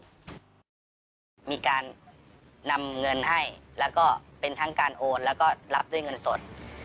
มีการนำเงินให้แล้วก็เป็นทั้งการโอนแล้วก็รับด้วยเงินสด